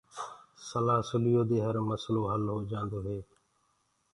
سلآ سُليو دي هر مسلو هل هوجآندو هي۔